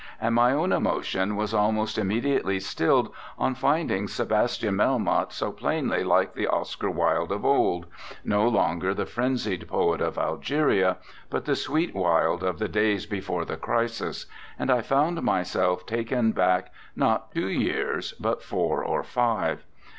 And my own emotion was almost immediately stilled on finding Sebastian Melmoth so plainly like the Oscar Wilde of old no longer the frenzied poet of Algeria, but the sweet Wilde of the days before the crisis; and I found myself taken back not two years, but four or five.